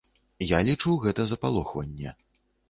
Я лічу, гэта запалохванне.